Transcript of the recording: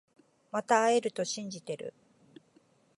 また会えると信じてる